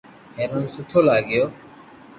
ھيرن سٺو لاگيو